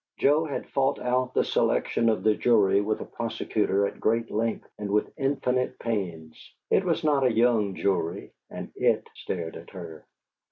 Joe had fought out the selection of the jury with the prosecutor at great length and with infinite pains; it was not a young jury, and IT stared at her.